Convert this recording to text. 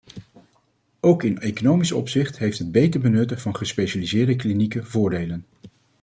Ook in economisch opzicht heeft het beter benutten van gespecialiseerde klinieken voordelen.